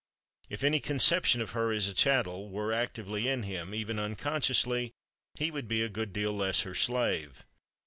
If any conception of her as a chattel were actively in him, even unconsciously, he would be a good deal less her slave.